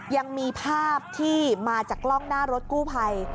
ยังมีภาพที่มาจากกล้องหน้ารถกู้ภัย